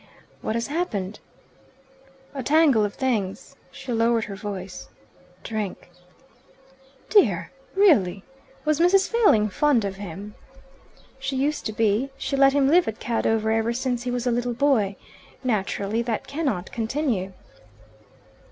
"What has happened?" "A tangle of things." She lowered her voice. "Drink." "Dear! Really! Was Mrs. Failing fond of him?" "She used to be. She let him live at Cadover ever since he was a little boy. Naturally that cannot continue."